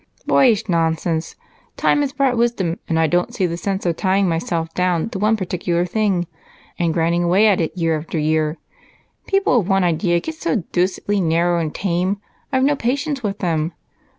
"Boyish nonsense! Time has brought wisdom, and I don't see the sense of tying myself down to one particular thing and grinding away at it year after year. People of one idea get so deucedly narrow and tame, I've no patience with them.